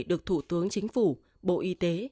được thủ tướng chính phủ bộ y tế